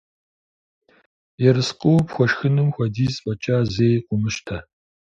Ерыскъыуэ пхуэшхынум хуэдиз фӀэкӀа зэи къыумыщтэ.